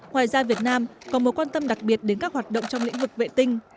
ngoài ra việt nam có mối quan tâm đặc biệt đến các hoạt động trong lĩnh vực vệ tinh